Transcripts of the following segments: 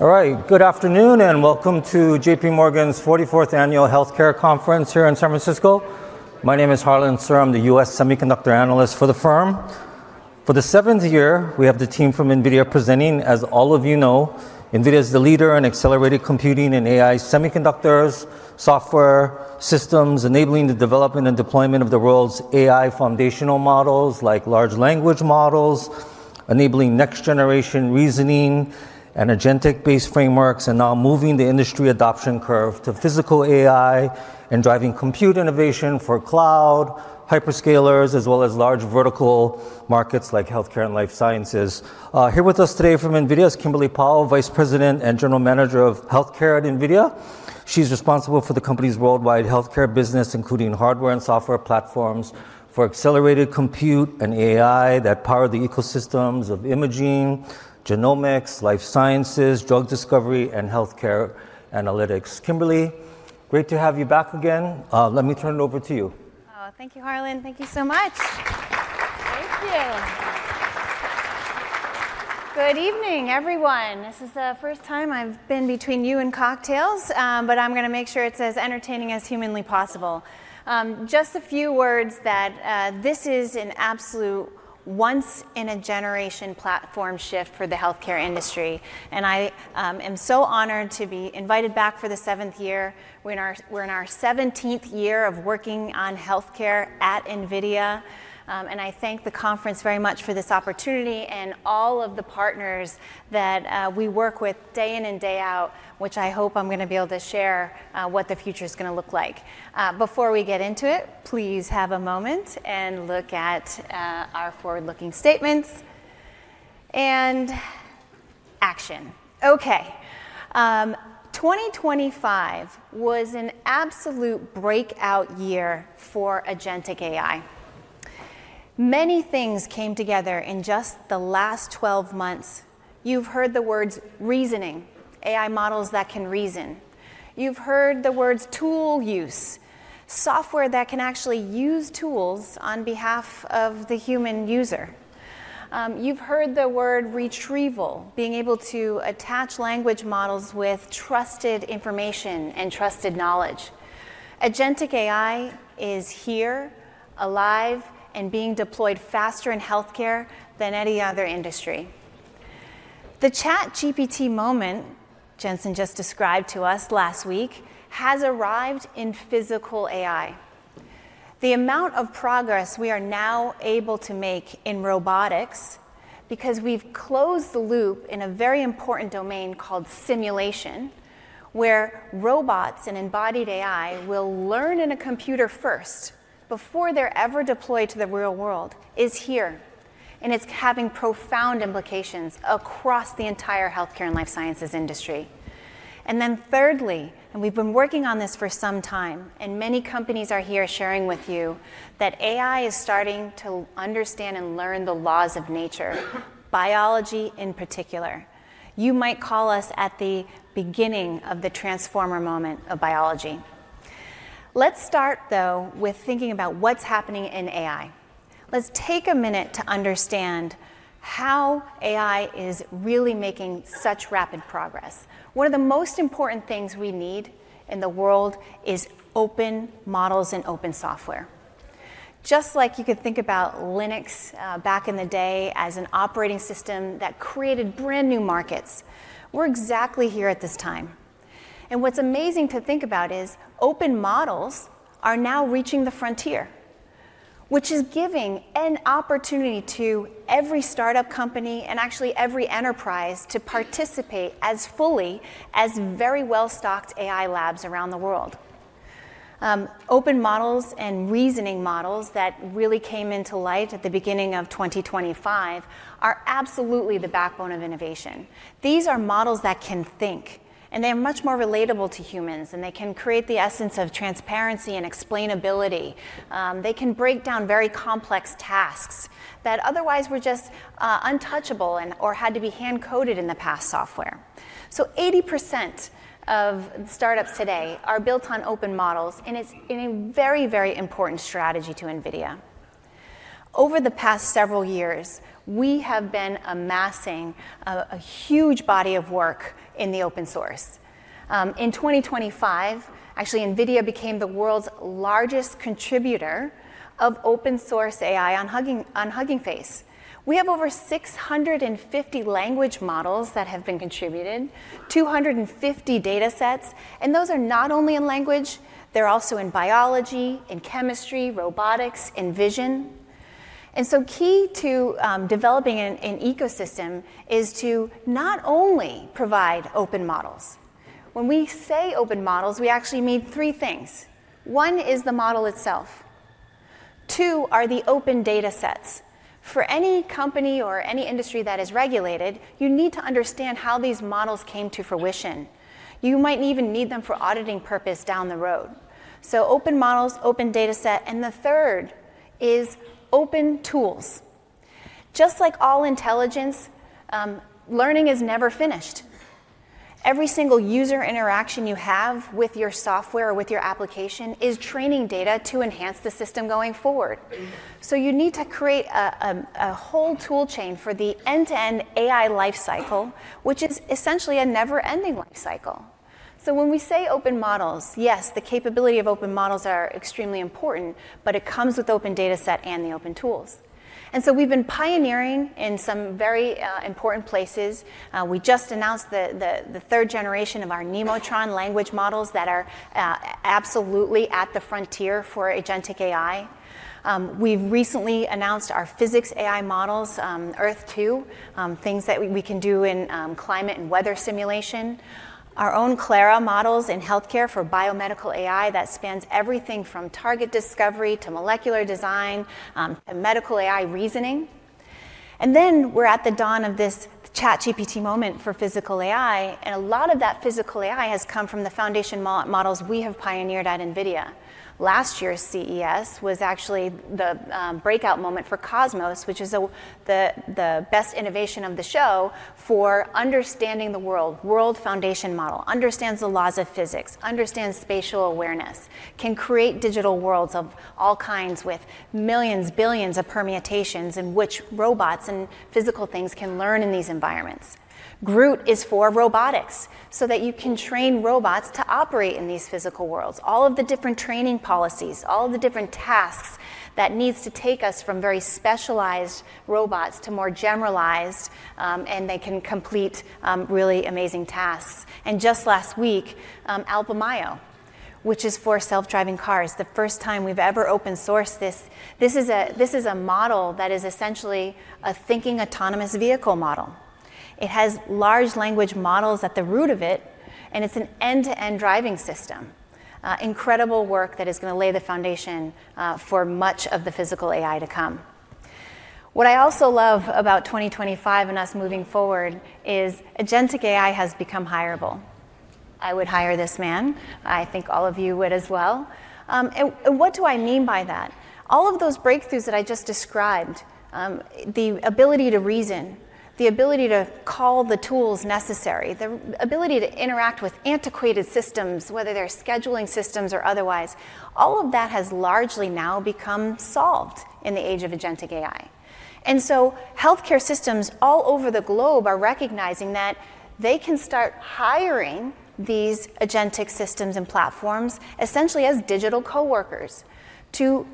All right. Good afternoon and welcome to JPMorgan's 44th Annual Healthcare Conference here in San Francisco. My name is Harlan Sur. I'm the U.S. Semiconductor analyst for the firm. For the seventh year, we have the team from NVIDIA presenting. As all of you know, NVIDIA is the leader in accelerated computing and AI semiconductors software systems enabling the development and deployment of the world's AI foundation models like large language models, enabling next-generation reasoning and agentic-based frameworks, and now moving the industry adoption curve to physical AI and driving compute innovation for cloud hyperscalers as well as large vertical markets like healthcare and life sciences. Here with us today from NVIDIA is Kimberly Powell, Vice President and General Manager of Healthcare at NVIDIA. She's responsible for the company's worldwide healthcare business, including hardware and software platforms for accelerated compute and AI that power the ecosystems of imaging, genomics, life sciences, drug discovery and health care analytics. Kimberly, great to have you back again. Let me turn it over to you. Thank you, Harlan. Thank you so much. Thank you. Good evening everyone. This is the first time I've been between you and cocktails, but I'm going to make sure it's as entertaining as humanly possible. Just a few words that this is an absolute once in a generation platform shift for the healthcare industry and I am so honored to be invited back for the seventh year. We're in our 17th year of working on healthcare at NVIDIA and I thank the conference very much for this opportunity and all of the partners that we work with day in and day out, which I hope I'm gonna be able to share what the future's gonna look like. Before we get into it, please have a moment and look at our forward looking statements and, action. Okay, 2025 was an absolute breakout year for agentic AI. Many things came together in just the last 12 months. You've heard the words reasoning, AI models that can reason. You've heard the words tool use, software that can actually use tools on behalf of the human user. You've heard the word retrieval, being able to attach language models with trusted information and trusted knowledge. Agentic AI is here, alive, and being deployed faster in healthcare than any other industry. The ChatGPT moment Jensen just described to us last week has arrived in physical AI. The amount of progress we are now able to make in robotics because we've closed the loop in a very important domain called simulation where robots and embodied AI will learn in a computer first before they're ever deployed to the real world is here and it's having profound implications across the entire healthcare and life sciences industry. And then thirdly, and we've been working on this for some time, and many companies are here sharing with you that AI is starting to understand and learn the laws of nature. Biology in particular, you might call us at the beginning of the transformer moment of biology. Let's start though with thinking about what's happening in AI. Let's take a minute to understand how AI is really making such rapid progress. One of the most important things we need in the world is open models and open software. Just like you could think about Linux back in the day as an operating system that created brand new markets, we're exactly here at this time. And what's amazing to think about is open models are now reaching the frontier, which is giving an opportunity to every startup company and actually every enterprise to participate as fully as very well stocked AI labs around the world. Open models and reasoning models that really came into light at the beginning of 2025 are absolutely the backbone of innovation. These are models that can think and they are much more relatable to humans and they can create the essence of transparency and explainability. They can break down very complex tasks that otherwise were just untouchable or had to be hand coded in the past software. So 80% of startups today are built on open models and it's a very, very important strategy to NVIDIA. Over the past several years we have been amassing a huge body of work in the open source. In 2025, actually, NVIDIA became the world's largest contributor of open source AI on Hugging Face. We have over 650 language models that have been contributed, 250 data sets, and those are not only in language, they're also in biology, in chemistry, robotics, in vision. And so, key to developing an ecosystem is to not only provide open models. When we say open models, we actually mean three things. One is the model itself. Two are the open data sets for any company or any industry that is regulated. You need to understand how these models came to fruition. You might even need them for auditing purpose down the road. So open models, open data set, and the third is open tools. Just like all intelligence, learning is never finished. Every single user interaction you have with your software, with your application is training data to enhance the system going forward. So you need to create a whole tool chain for the end-to-end AI lifecycle which is essentially a never-ending life cycle. So when we say open models, yes, the capability of open models are extremely important, but it comes with open dataset and the open tools. And so we've been pioneering in some very important places. We just announced the third generation of our Nemotron language models that are absolutely at the frontier for agentic AI. We've recently announced our physics AI models Earth-2 things that we can do in climate and weather simulation. Our own Clara models in healthcare for biomedical AI that spans everything from target discovery to molecular design and medical AI reasoning. We're at the dawn of this ChatGPT moment for physical AI. A lot of that physical AI has come from the foundation models we have pioneered at NVIDIA. Last year's CES was actually the breakout moment for Cosmos, which is the best innovation of the show for understanding the world. World foundation model understands the laws of physics, understands spatial awareness, can create digital worlds of all kinds with millions, billions of permutations in which robots and physical things can learn in these environments. GR00T is for robotics so that you can train robots to operate in these physical worlds. All of the different training policies, all the different tasks that needs to take us from very special specialized robots to more generalized and they can complete really amazing tasks. Just last week, Alpamayo, which is for self-driving cars, the first time we've ever open-sourced this. This is a model that is essentially a thinking autonomous vehicle model. It has large language models at the root of it, and it's an end-to-end driving system. Incredible work that is going to lay the foundation for much of the physical AI to come. What I also love about 2025 and us moving forward is agentic AI has become hireable. I would hire this man. I think all of you would as well. What do I mean by that? All of those breakthroughs that I just described, the ability to reason, the ability to call the tools necessary, the ability to interact with antiquated systems, whether they're scheduling systems or otherwise, all of that has largely now become solved in the age of agentic AI. And so healthcare systems all over the globe are recognizing that they can start hiring these agentic systems and platforms essentially as digital coworkers to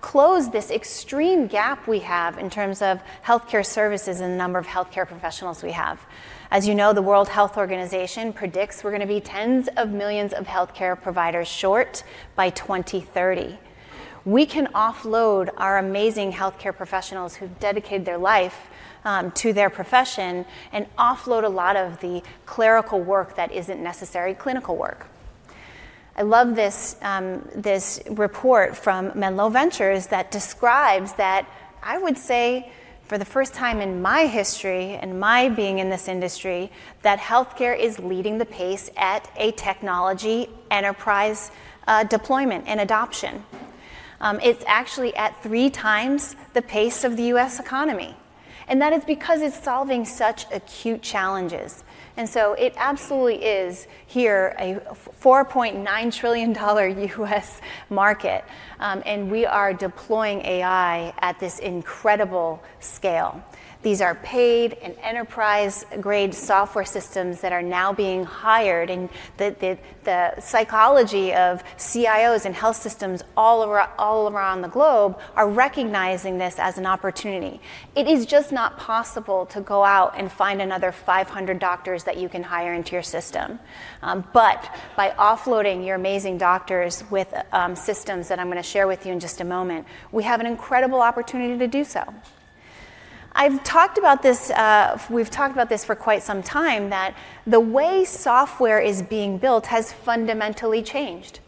close this extreme gap we have in terms of healthcare services and the number of healthcare professionals we have. As you know, the World Health Organization predicts going to be tens of millions of healthcare providers short by 2030. We can offload our amazing healthcare professionals who've dedicated their life to their profession and offload a lot of the clerical work that isn't necessary clinical work. I love this report from Menlo Ventures that describes that I would say for the first time in my history and my being in this industry that healthcare is leading the pace at a technology enterprise deployment and adoption. It's actually at three times the pace of the U.S. economy. And that is because it's solving such acute challenges. And so it absolutely is here a $4.9 trillion U.S. market and we are deploying AI at this incredible scale. These are paid and enterprise-grade software systems that are now being hired. And the psychology of CIOs and health systems all around the globe are recognizing this as an opportunity. It is just not possible to go out and find another 500 doctors that you can hire into your system. But by offloading your amazing doctors with systems that I'm going to share with you in just a moment, we have an incredible opportunity to do so. I've talked about this, we've talked about this for quite some time, that the way software is being built has fundamentally changed.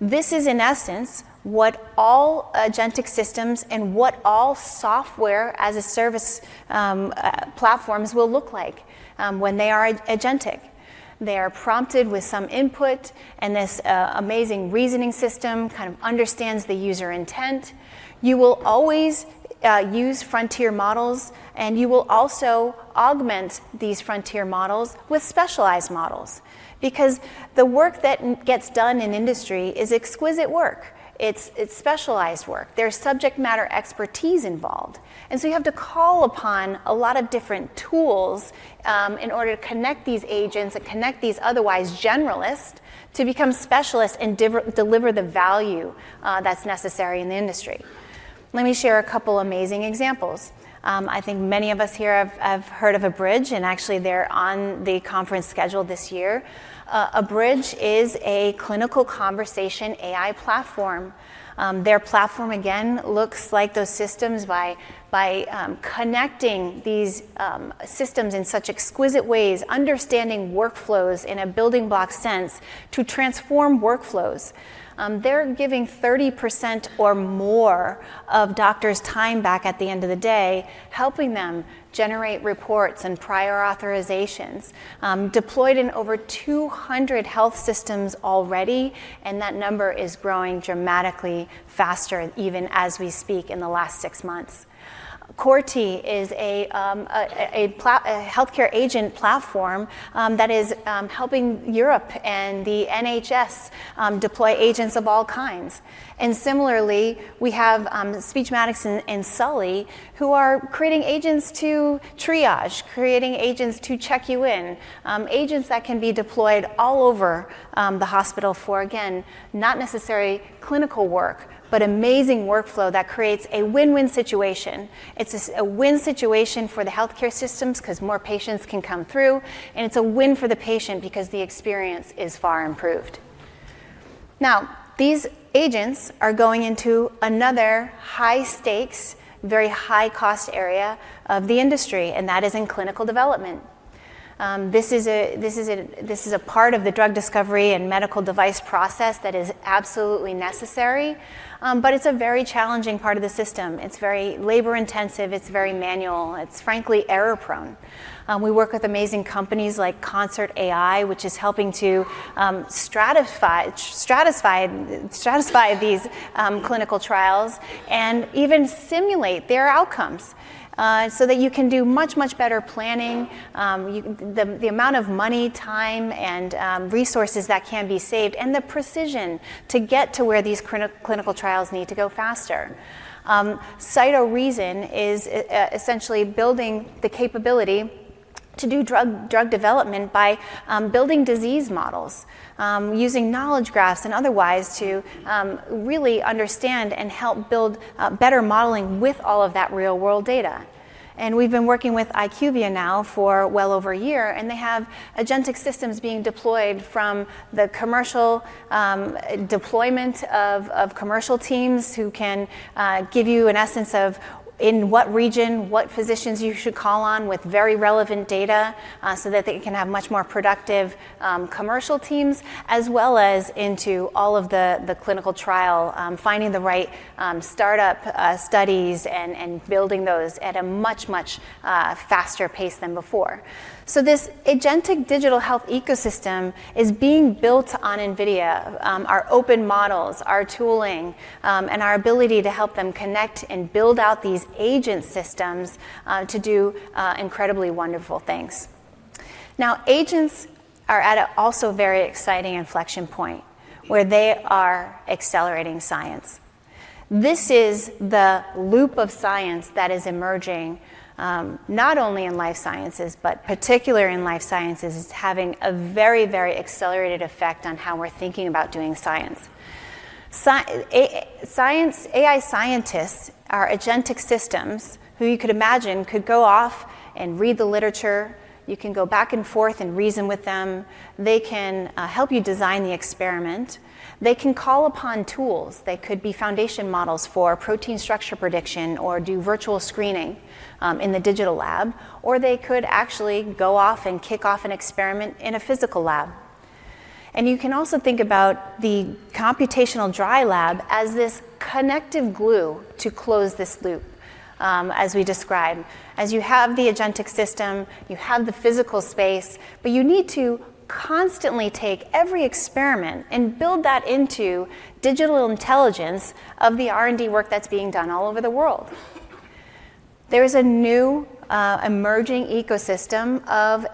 This is in essence what all agentic systems and what all software-as-a-service platforms will look like when they are agentic. They are prompted with some input and this amazing reasoning system kind of understands the user intent. You will always use frontier models and you will also augment these frontier models with specialized models because the work that gets done in industry is exquisite work. It's specialized work, there's subject matter expertise involved, and so you have to call upon a lot of different tools in order to connect these agents and connect these otherwise generalists to become specialists and deliver the value that's necessary in the industry. Let me share a couple amazing examples. I think many of us here have heard of Abridge and actually they're on the conference schedule this year. Abridge is a clinical conversation AI platform. Their platform again looks like those systems. By connecting these systems in such exquisite ways, understanding workflows in a building block sense to transform workflows, they're giving 30% or more of doctors' time back at the end of the day, helping them generate reports and prior authorizations. Deployed in over 200 health systems already and that number is growing dramatically faster even as we speak in the last six months. Corti is a healthcare agent platform that is helping Europe and the NHS deploy agents of all kinds. And similarly, we have Speechmatics and Sully who are creating agents to triage, creating agents to check you in. Agents that can be deployed all over the hospital for again, not necessarily clinical work, but amazing workflow that creates a win-win situation. It's a win situation for the healthcare systems because more patients can come through and it's a win for the patient because the experience is far improved. Now these agents are going into another high-stakes, very high-cost area of the industry and that is in clinical development. This is a part of the drug discovery and medical device process that is absolutely necessary, but it's a very challenging part of the system. It's very labor-intensive, it's very manual, it's very frankly error-prone. We work with amazing companies like ConcertAI which is helping to stratify these clinical trials and even simulate their outcomes so that you can do much, much better planning, the amount of money, time and resources that can be saved and the precision to get to where these clinical trials need to go faster. CytoReason is essentially building the capability to do drug development by building disease models, using knowledge graphs and otherwise to really understand and help build better modeling with all of that real-world data. We've been working with IQVIA now for well over a year, and they have agentic systems being deployed from the commercial deployment of commercial teams who can give you a sense of in what region, what physicians you should call on with very relevant data so that they can have much more productive commercial teams as well as into all of the clinical trial, finding the right start-up studies and building those at a much, much faster pace than before. This agentic digital health ecosystem is being built on NVIDIA. Our open models, our tooling, and our ability to help them connect and build out these agent systems to do incredibly wonderful things. Now agents are at a also very exciting inflection point where they are accelerating science. This is the loop of science that is emerging not only in life sciences, but particularly in life sciences, is having a very, very accelerated effect on how we're thinking about doing science. AI scientists are agentic systems who you could imagine could go off and read the literature, you can go back and forth and reason with them. They can help you design the experiment, they can call upon tools, they could be foundation models for, for protein structure prediction or do virtual screening in the digital lab, or they could actually go off and kick off an experiment in a physical lab. You can also think about the computational dry lab as this connective glue to close this loop as we described, as you have the agentic system, you have the physical space, but you need to constantly take every experiment and build that into digital intelligence of the R&D work that's being done all over the world. There is a new emerging ecosystem of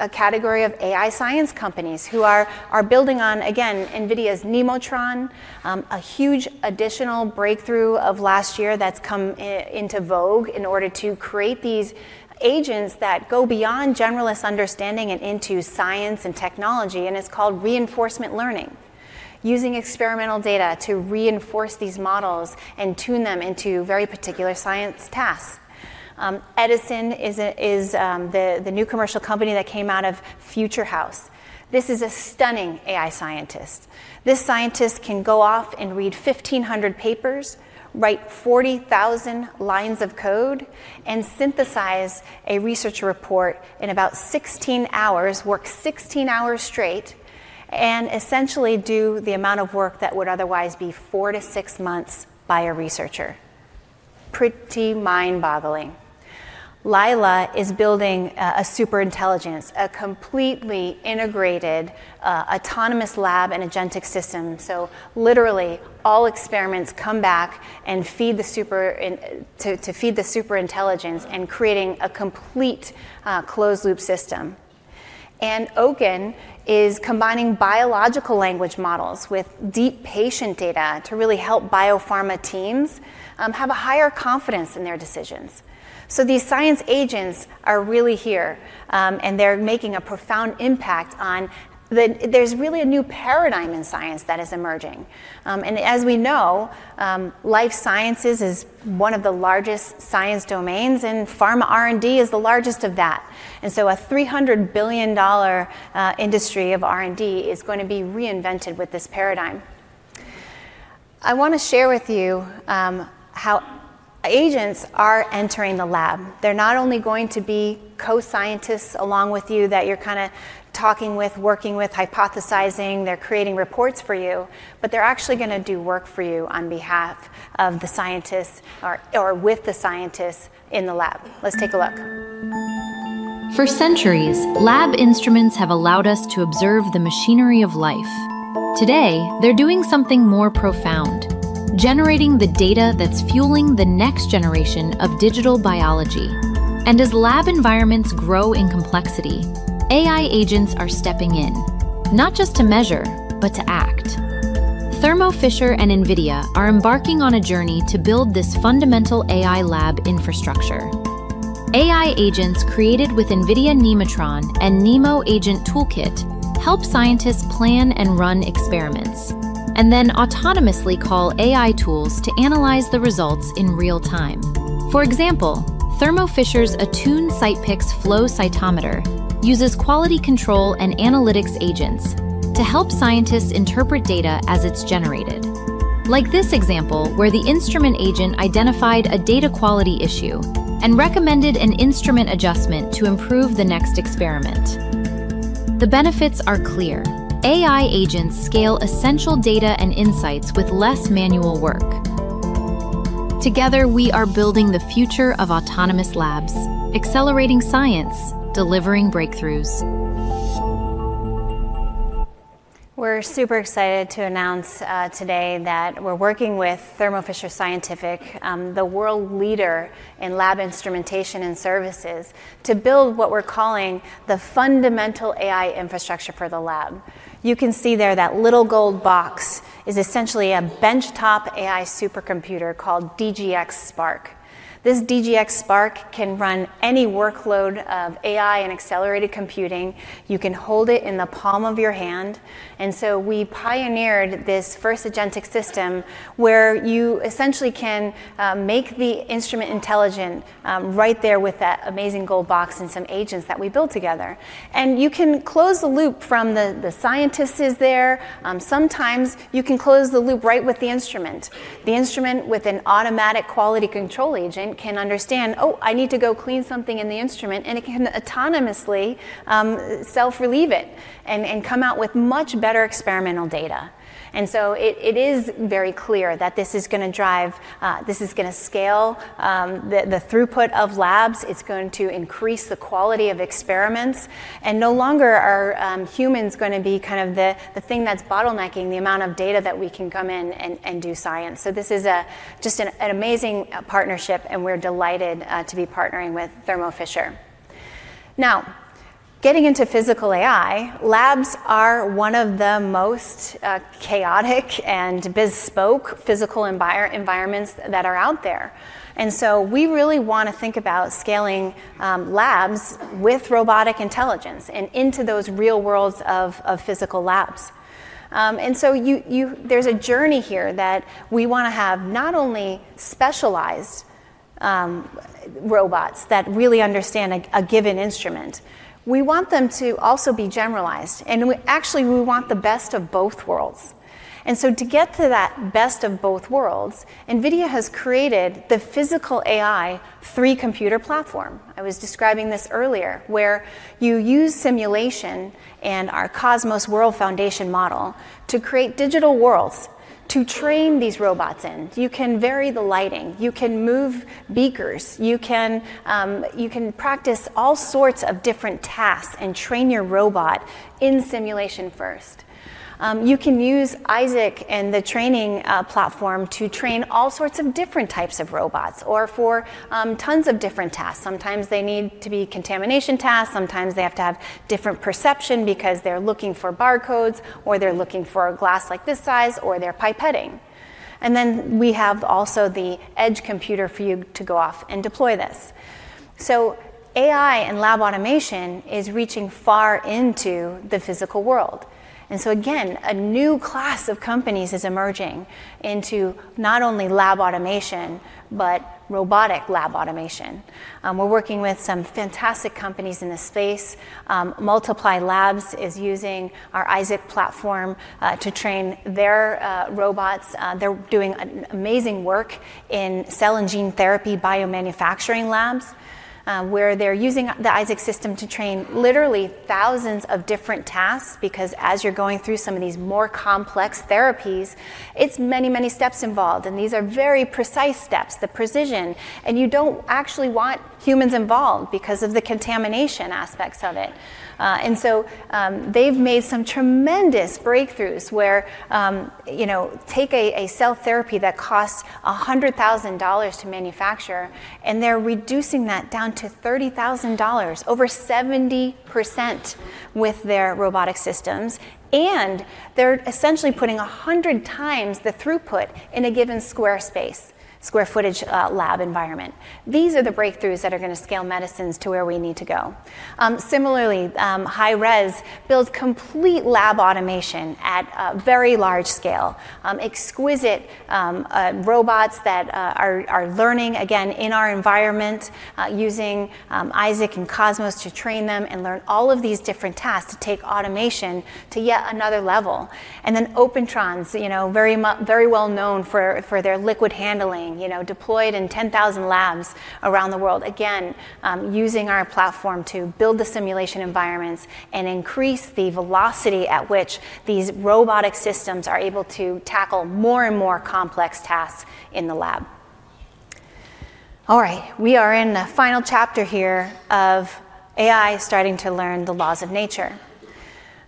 a category of AI science companies who are building on, again, NVIDIA's Nemotron, a huge additional breakthrough of last year that's come into vogue in order to create these agents that go beyond generalist understanding and into science and technology. It's called reinforcement learning. Using experimental data to reinforce these models and tune them into very particular science tasks. Edison is the new commercial company that came out of FutureHouse. This is a stunning AI scientist. This scientist can go off and read 1,500 papers, write 40,000 lines of code and synthesize a research report in about 16 hours, work 16 hours straight and essentially do the amount of work that would otherwise be four to six months by a researcher. Pretty mind boggling. LILA is building a super intelligence, a completely integrated autonomous lab and agentic system. So literally all experiments come back to feed the superintelligence and creating a complete closed loop system. And OWKIN is combining biological language models with deep patient data to really help biopharma teams have a higher confidence in their decisions. So these science agents are really here and they're making a profound impact on, there's really a new paradigm in science that is emerging. As we know, life sciences is one of the largest science domains and pharma R&D is the largest of that. So a $300 billion industry of R&D is going to be reinvented with this paradigm. I want to share with you how agents are entering the lab. They're not only going to be co scientists along with you that you're kind of talking with, working with, hypothesizing, they're creating reports for you, but they're actually going to do work for you on behalf of the scientists or with the scientists in the lab. Let's take a look. For centuries, lab instruments have allowed us to observe the machinery of life. Today they're doing something more profound, generating the data that's fueling the next generation of digital biology. As lab environments grow in complexity, AI agents are stepping in not just to measure, but to act. Thermo Fisher and NVIDIA are embarking on a journey to build this fundamental AI lab infrastructure. AI agents created with NVIDIA, Nemotron and NeMo Agent Toolkit help scientists plan and run experiments and then autonomously call AI tools to analyze the results in real time. For example, Thermo Fisher's Attune CytPix Flow Cytometer uses quality control and analytics agents to help scientists interpret data as it's generated. Like this example where the instrument agent identified a data quality issue and recommended an instrument adjustment to improve the next experiment. The benefits are clear. AI agents scale essential data and insights with less manual work. Together, we are building the future of autonomous labs, accelerating science, delivering breakthroughs. We're super excited to announce today that we're working with Thermo Fisher Scientific, the world leader in lab instrumentation and services, to build what we're calling the fundamental AI infrastructure for the lab. You can see there, that little gold box is essentially a benchtop AI supercomputer called DGX Spark. This DGX Spark can run any workload of AI and accelerated computing. You can hold it in the palm of your hand, and so we pioneered this first agentic system where you essentially can make the instrument intelligent, right there with that amazing gold box and some agents that we build together, and you can close the loop from the, the scientists is there. Sometimes you can close the loop right with the instrument. The instrument with an automatic quality control agent can understand, "Oh, I need to go clean something in the instrument". And it can autonomously self-relieve it and come out with much better experimental data. And so it is very clear that this is going to drive, this is going to scale the throughput of labs, it's going to increase the quality of experiments, and no longer are humans going to be kind of the thing that's bottlenecking the amount of data that we can come in and do science. So this is just an amazing partnership and we're delighted to be partnering with Thermo Fisher. Now getting into physical AI, labs are one of the most chaotic and bespoke physical environments that are out there. And so we really want to think about scaling labs with robotic intelligence and into those real worlds of physical labs. And so there's a journey here that we want to have not only specialized robots that really understand a given instrument. We want them to also be generalized. And we actually, we want the best of both worlds. And so to get to that best of both worlds, NVIDIA has created the physical AI three-computer platform. I was describing this earlier, where you use simulation and our Cosmos World Foundation Model to create digital worlds to train these robots in. You can vary the lighting, you can move beakers, you can practice all sorts of different tasks and train your robot in simulation first. You can use Isaac and the training platform to train all sorts of different types of robots or for tons of different tasks. Sometimes they need to be contamination tasks, sometimes they have to have different perception because they're looking for barcodes or they're looking for a glass like this size, or they're pipetting and then we have also the edge computer for you to go off and deploy this. So AI and lab automation is reaching far into the physical world, and so again, a new class of companies is emerging into not only lab automation, but robotic lab automation. We're working with some fantastic companies in this space. Multiply Labs is using our Isaac platform to train their robots. They're doing amazing work in cell and gene therapy biomanufacturing labs where they're using the Isaac system to train literally thousands of different tasks. Because as you're going through some of these more complex therapies, it's many, many steps involved. And these are very precise steps, the precision, and you don't actually want humans involved because of the contamination aspects of it. And so they've made some tremendous breakthroughs where, you know, take a cell therapy that costs $100,000 to manufacture and they're reducing that down to $30,000 over 70% with their robotic systems. And they're essentially putting 100 times the throughput in a given square space, square footage lab environment. These are the breakthroughs that are going to scale medicines to where we need to go. Similarly, HighRes Biosolutions, complete lab automation at very large scale. Exquisite robots that are learning again in our environment, using Isaac and Cosmos to train them and learn all of these different tasks to take automation to yet another level. Then Opentrons, you know, very, very well known for their liquid handling, you know, deployed in 10,000 labs around the world, again using our platform to build the simulation environments and increase the velocity at which these robotic systems are able to tackle more and more complex tasks in the lab. All right, we are in the final chapter here of AI starting to learn the laws of nature.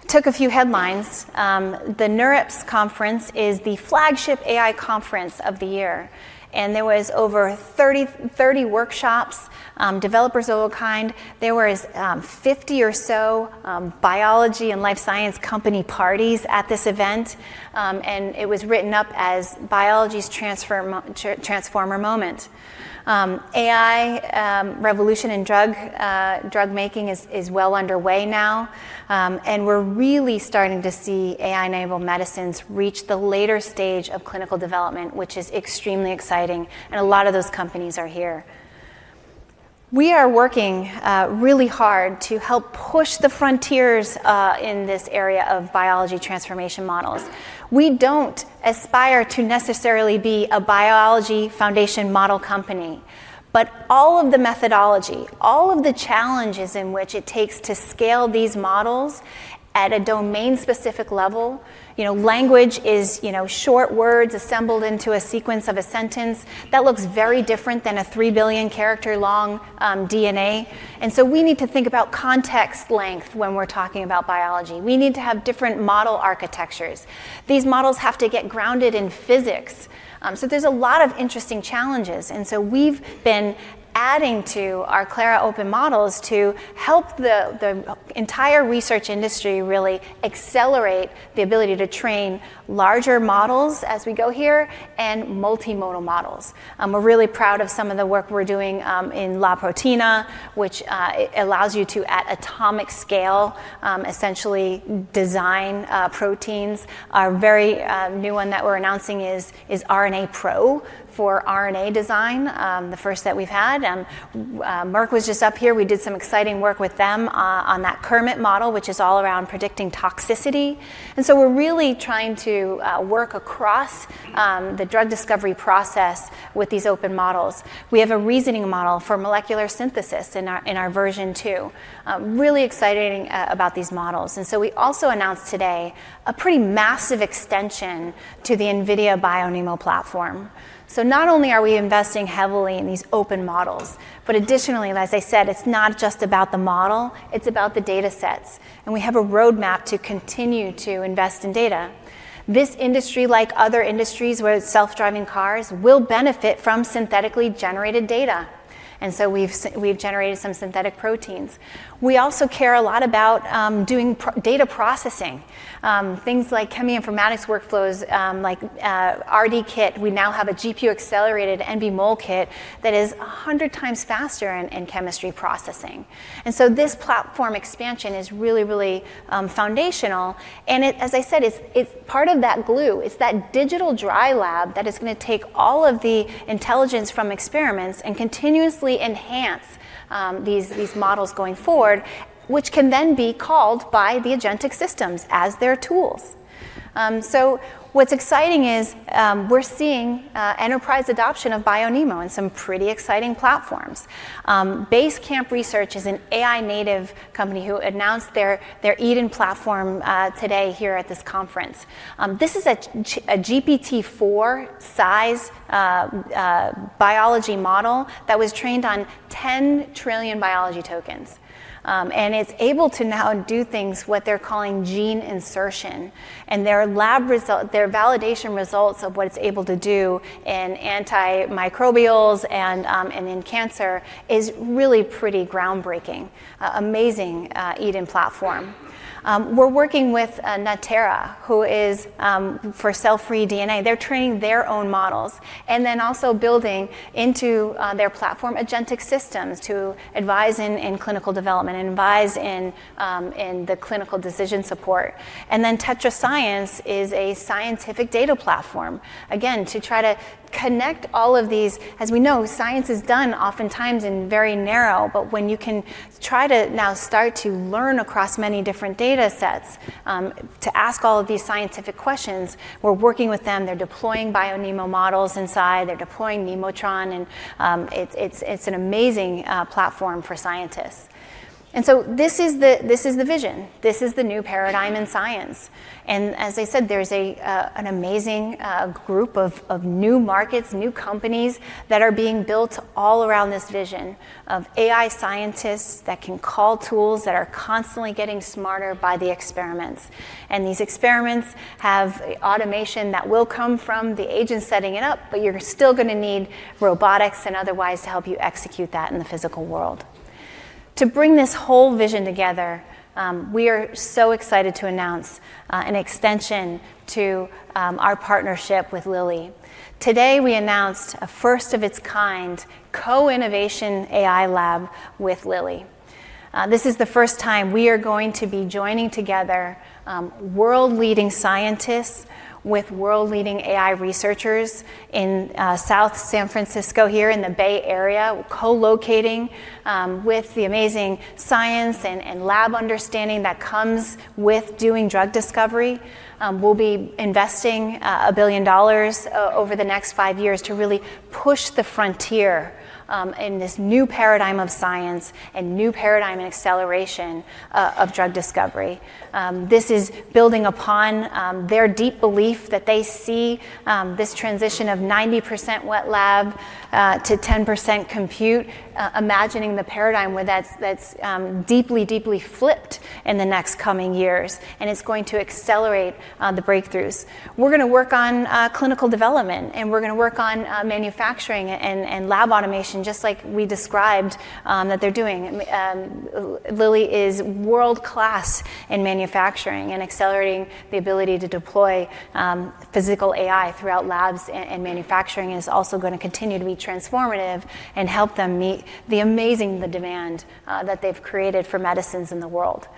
It took a few headlines. The NeurIPS conference is the flagship AI conference of the year. There was over 30 workshops, developers of a kind. There was 50 or so biology and life science company parties at this event and it was written up as biology's transformer moment. AI-driven revolution in drug making is well underway now and we're really starting to see AI-enabled medicines reach the later stage of clinical development, which is extremely exciting. A lot of those companies are here. We are working really hard to help push the frontiers in this area of biology transformation models. We don't aspire to necessarily be a biology foundation company, but all of the methodology, all of the challenges in which it takes to scale these models at a domain-specific level. You know, language is, you know, short words assembled into a sequence of a sentence that looks very different than a three billion-character-long DNA. So we need to think about context length when we're talking about biology. We need to have different model architectures. These models have to get graphical, grounded in physics. So there's a lot of interesting challenges. And so we've been adding to our Clara open models to help the entire research industry really accelerate the ability to train larger models as we go here and multimodal models. We're really proud of some of the work we're doing in La-Proteina which allows you to, at the atomic scale, to essentially design proteins. Our very new one that we're announcing is RNAPro for RNA design. The first that we've had. Merck was just up here. We did some exciting work with them on that KERMT model which is all around predicting toxicity. And so we're really trying to work across the drug discovery process with these open models. We have a reasoning model for molecular synthesis in our version 2. Really exciting about these models. And so we also announced today a pretty massive extension to the NVIDIA BioNeMo platform. Not only are we investing heavily in these open models, but additionally, as I said, it's not just about the model, it's about the data sets and we have a roadmap to continue to invest in data. This industry, like other industries with self-driving cars, will benefit from synthetically generated data. And so we've generated some synthetic proteins. We also care a lot about doing data processing things like cheminformatics, workflows like RDKit. We now have a GPU-accelerated NeMo kit that is 100 times faster in chemistry processing. And so this platform expansion is really, really foundational and it essentially, as I said, it's part of that glue, it's that digital dry lab that is going to take all of the intelligence from experiments and continuously enhance these models going forward which can then be called by the agentic systems as their tools. So what's exciting is we're seeing enterprise adoption of BioNeMo and some pretty exciting platforms. Basecamp Research is an AI native company who announced their Eden platform today here at this conference. This is a GPT4 size biology model that was trained on 10 trillion biology tokens and it's able to now do things what they're calling gene insertion and their lab result, their validation results of what it's able to do in antimicrobials and in cancer is really pretty groundbreaking, amazing Eden platform. We're working with Natera who is for cell free DNA. They're training their own models and then also building into their platform agentic systems to advise in clinical development, advise in the clinical decision support and then TetraScience is a scientific data cloud platform again to try to connect all of these. As we know, science is done oftentimes in very narrow but when you can try to now start to learn across many different data sets to ask all of these scientific questions, we're working with them. They're deploying BioNeMo models inside. They're deploying Nemotron and it's an amazing platform for scientists. And so this is the vision, this is the new paradigm in science. And as I said there's an amazing group of new markets, new companies that are being built all around this vision of AI scientists that can call tools that are constantly getting smarter by the experiments and these experiments have automation that will come from the agents setting it up. But you're still going to need robotics and otherwise to help you execute that in the physical world. To bring this whole vision together. We are so excited to announce an extension to our partnership with Lilly. Today we announced a first-of-its-kind co-innovation AI lab with Lilly. This is the first time we are going to be joining together world-leading scientists with world-leading AI researchers in South San Francisco here in the Bay Area, co-locating with the amazing science and lab understanding that comes with doing drug discovery. We'll be investing $1 billion over the next five years to really push the frontier in this new paradigm of science and new paradigm and acceleration of drug discovery. This is building upon their deep belief that they see this transition of 90% wet lab to 10% compute. Imagining the paradigm where that's, that's deeply, deeply flipped in the next coming years and it's going to accelerate the breakthroughs. We're going to work on clinical development and we're going to work on manufacturing and lab automation just like we described that they're doing. Lilly is world class in manufacturing and accelerating the ability to deploy physical AI throughout labs. And manufacturing is also going to continue to be transformative and help them meet the amazing demand that they've created for medicines in the world.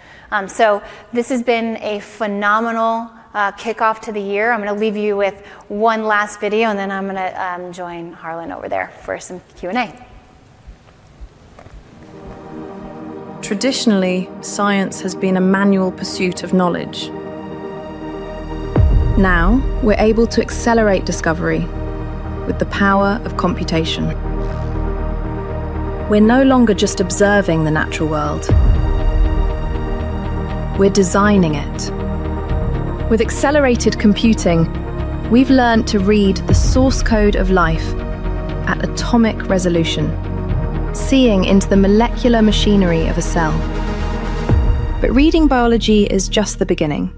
So this has been a phenomenal kickoff to the year. I'm going to leave you with one last video and then I'm going to join Harlan over there for some Q&A. Traditionally science has been a manual pursuit of knowledge. Now we're able to accelerate discovery with the power of computation. We're no longer just observing the natural world, we're designing it with accelerated computing. We've learned to read the source code of life at atomic resolution, seeing into the molecular machinery of a cell. But reading biology is just the beginning.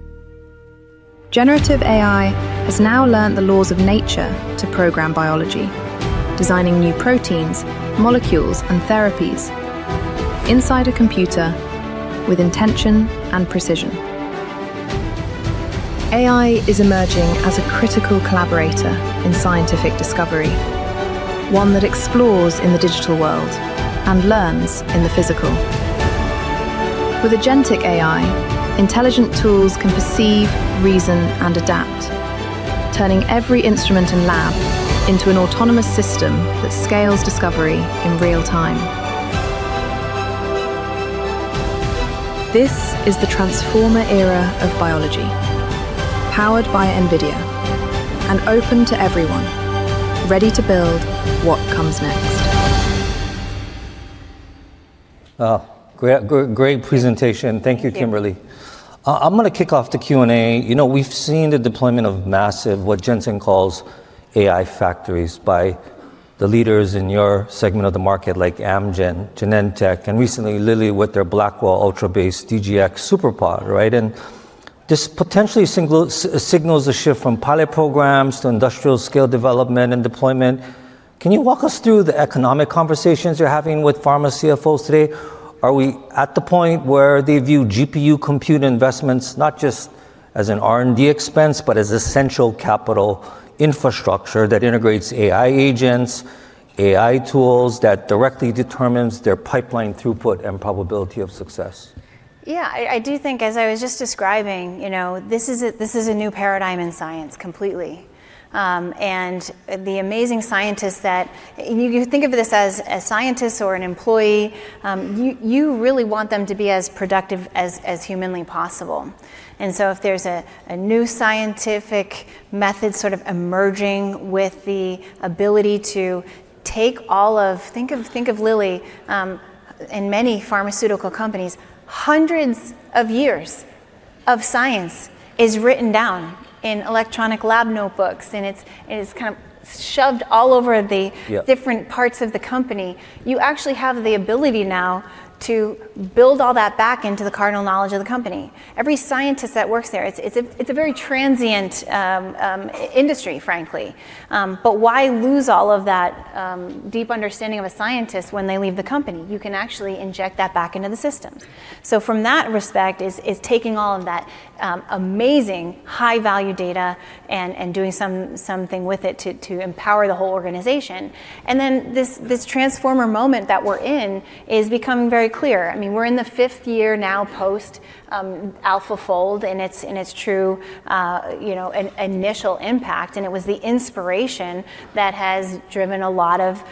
Generative AI has now learned the laws of nature to program biology, designing new proteins, molecules and therapies inside a computer with intention and precision. AI is emerging as a critical collaborator in scientific discovery. One that explores in the digital world and learns in the physical. With agentic AI, intelligent tools can perceive reason and adapt, turning every instrument and lab into an autonomous system that scales discovery in real time. This is the transformer era of biology. Powered by NVIDIA and open to everyone. Ready to build what comes next. Great presentation. Thank you, Kimberly. I'm going to kick off the Q&A. You know, we've seen the deployment of massive, what Jensen Huang calls AI factories by the leaders in your segment of the market like Amgen, Genentech and recently Lilly with their Blackwell Ultra based DGX SuperPOD. Right, and this potentially signals a shift from pilot programs to industrial scale development and deployment. Can you walk us through the economic conversations you're having with pharma CFOs today? Are we at the point where they view GPU compute investments not just as an R&D expense, but as essential capital infrastructure that integrates AI agents, AI tools that directly determines their pipeline throughput and probability of success? Yeah, I do think, as I was just describing, this is a new paradigm in science completely. And the amazing scientists that, you can think of this as, a scientist or an employee, you really want them to be as productive as humanly possible. And so if there's a new scientific method sort of emerging with the ability to take all of, think of Lilly and many pharmaceutical companies, hundreds of years of science is written down in electronic lab notebooks and it's kind of stuffed all over the different parts of the company. You actually have the ability now to build all that back into the corporate knowledge of the company. Every scientist that works there. It's a very transient industry, frankly. But why lose all of that deep understanding of a scientist when they leave the company? You can actually inject that back into the system. So from that respect is taking all of that amazing high value data and doing something with it to empower the whole organization. And then this transformer moment that we're in is becoming very clear. I mean we're in the fifth year now, post AlphaFold in its true initial impact. And it was the inspiration that has driven a lot of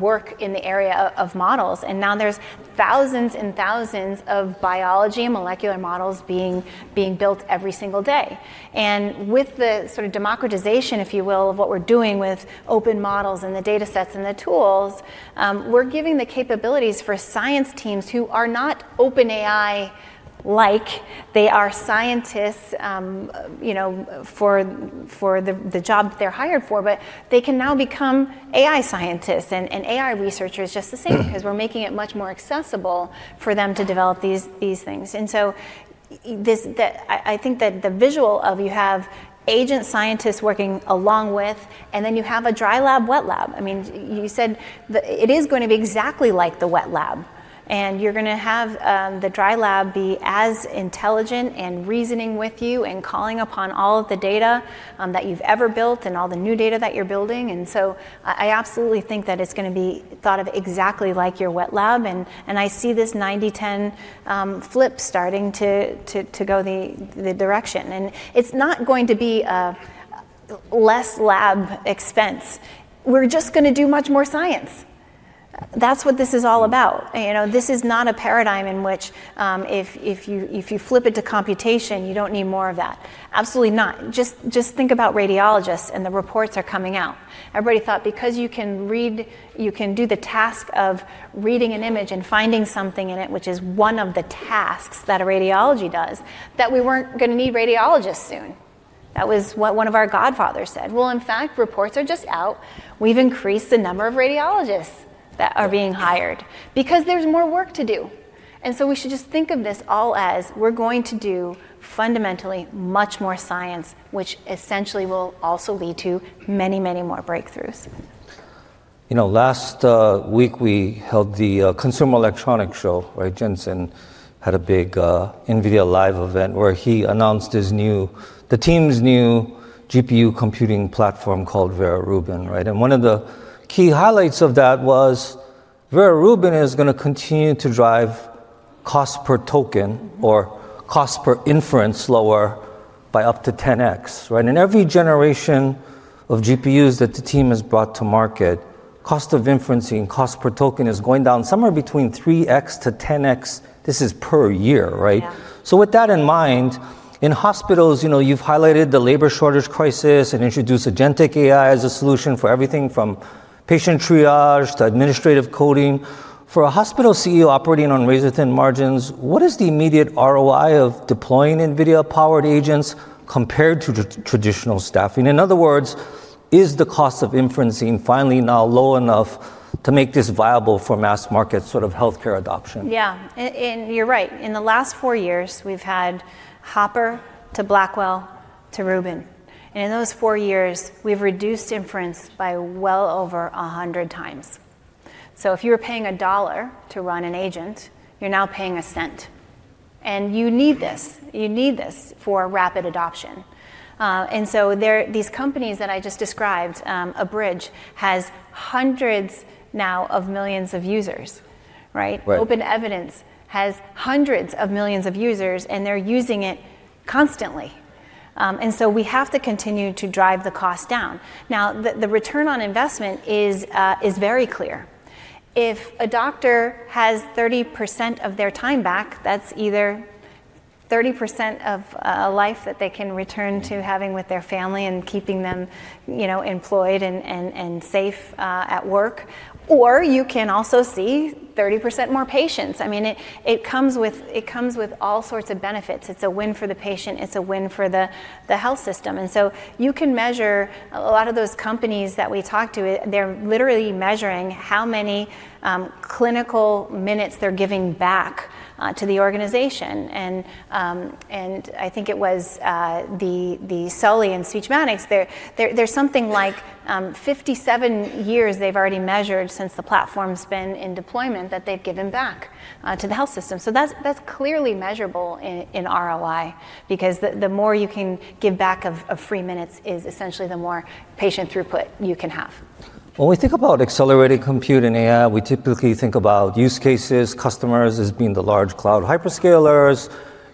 work in the area of models. And now there's thousands and thousands of biology and molecular models being built every single day. And with the sort of democratization, if you will, of what we're doing with open models and the data sets and the tools, we're giving the capabilities for science teams who are not OpenAI like they are scientists, you know, for the job they're hired for, but they can now become AI scientists and AI researchers just the same because we're making it much more accessible for them to develop these things. And so this, that I think that the visual of you have agent scientists working along with and then you have a dry lab, wet lab. I mean, you said it is going to be exactly like the wet lab and you're going to have the dry lab be as intelligent and reasoning with you and calling upon all of the data that you've ever built and all the new data that you're building. I absolutely think that it's going to be thought of exactly like your wet lab. I see this 90%-10% flip starting to go the direction and it's not going to be less lab expense. We're just going to do much more science. That's what this is all about. You know, this is not a paradigm in which if you, if you flip it to computation, you don't, we don't need more of that. Absolutely not. Just think about radiologists and the reports are coming out. Everybody thought, because you can read, you can do the task of reading an image and finding something in it, which is one of the tasks that a radiologist does, that we weren't going to need radiologists soon. That was what one of our godfathers said. In fact, reports are just out. We've increased the number of radiologists that are being hired because there's more work to do. And so we should just think of this all as we're going to do fundamentally much more science, which essentially will also lead to many, many more breakthroughs. You know, last week we held the Consumer Electronics Show, right? Jensen had a big NVIDIA live event where he announced his new, the team's new GPU computing platform called Vera Rubin. Right. And one of the key highlights of that was Vera Rubin is going to continue to drive cost per token or cost per inference lower by up to 10x. Right. In every generation of GPUs that the team has brought to market, cost of inferencing, cost per token is going down somewhere between 3x to 10x. This is per year, right. So with that in mind, in hospitals, you've highlighted the labor shortage crisis. And introduced agentic AI as a solution for everything from patient triage to administrative coding. For a hospital CEO operating on razor-thin margins, what is the immediate ROI of deploying NVIDIA powered agents compared to traditional staffing? In other words, is the cost of inferencing finally now low enough to make this viable for mass market sort of health care adoption? Yeah, and you're right, in the last four years we've had Hopper to Blackwell to Rubin, and in those four years we've reduced inference by well over 100 times. So if you were paying $1 to run an agent, you're now paying $0.01. And you need this, you need this for rapid adoption. And so there, these companies that I just described Abridge has hundreds now of millions of users, right? OpenEvidence has hundreds of millions of users and they're using it constantly. And so we have to continue to drive the cost down. Now, the return on investment is very clear. If a doctor has 30% of their time back, that's either 30% of life that they can return to having with their family and keeping them, you know, employed and safe at work, or you can also see 30% more patients. I mean, it comes with all sorts of benefits. It's a win for the patient, it's a win for the health system. And so you can measure a lot of those companies that we talk to, they're literally measuring how many clinical minutes they're giving back to the organization. And I think it was the Sully and Speechmatics there, there's something like 57 years they've already measured since the platform's been in deployment that they've given back to the health system. So that's, that's clearly measurable in ROI because the more you can give back of free minutes is essentially the more patient throughput you can have. When we think about accelerated compute in AI, we typically think about use cases, customers as being the large cloud, cloud hyperscalers,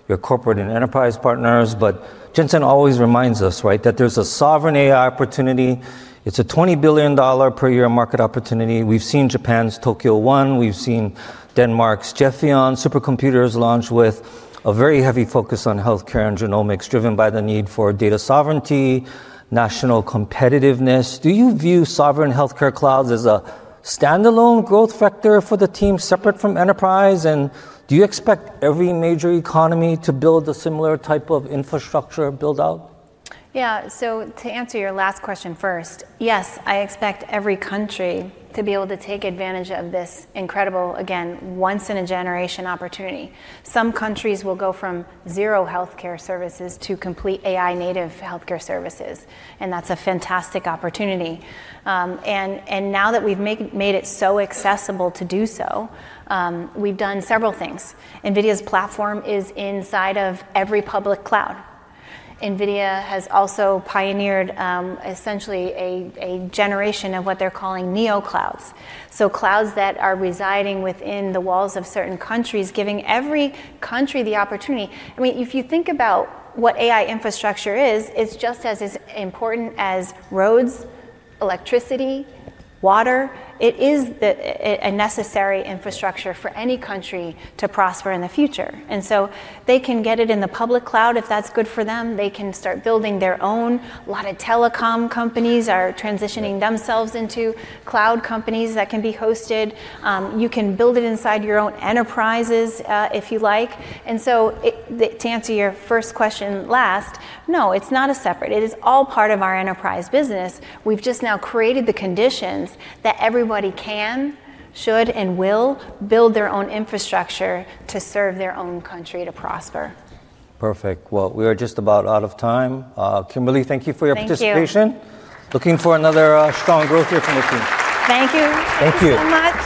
your corporate and enterprise partners, but Jensen always reminds us, right, that there's a sovereign AI opportunity. It's a $20 billion per year market opportunity. We've seen Japan's Tokyo-1, we've seen Denmark's Gefion supercomputers launch with a very heavy focus on healthcare and genomics, driven by the need for data sovereignty, national competitiveness. Do you view sovereign healthcare clouds as a standalone growth factor for the team separate from enterprise, and do you expect every major economy to build a similar type of infrastructure build out? Yeah. So to answer your last question first, yes, I expect every country to be able to take advantage of this incredible again, once-in-a-generation opportunity. Some countries will go from zero healthcare services to complete AI-native healthcare services, and that's a fantastic opportunity. And now that we've made it so accessible to do so, we've done several things. NVIDIA's platform is inside of every public cloud. NVIDIA has also pioneered essentially a generation of what they're calling neoclouds, so clouds that are residing within the walls of certain countries, giving every country the opportunity. I mean, if you think about what AI infrastructure is, it's just as important as roads, electricity, water. It is a necessary infrastructure for any country to prosper in the future. And so they can get it in the public cloud, if that's good for them, they can start building their own. A lot of telecom companies are transitioning themselves into cloud companies that can be hosted. You can build it inside your own enterprises if you like. And so to answer your first question last, no, it's not a separate. It is all part of our enterprise business. We've just now created the conditions that everybody can, should and will build their own infrastructure to serve their own country, to prosper. Perfect. Well, we are just about out of time. Kimberly, thank you for your participation. Looking for another strong growth year from the team. Thank you. Thank you. Thank you so much.